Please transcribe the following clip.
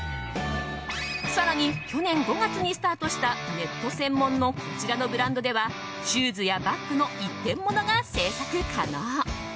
更に、去年５月にスタートしたネット専門のこちらのブランドではシューズやバッグの一点モノが制作可能。